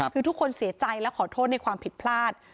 คือทุกคนเสียใจและขอโทษในความผิดพลาด